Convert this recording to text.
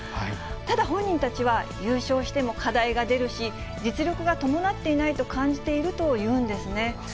ただ、本人たちは、優勝しても課題が出るし、実力が伴っていないと感じているというんですね。